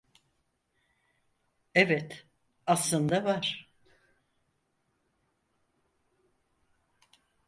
Evet, aslında var.